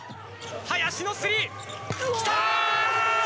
林のスリー、来たー！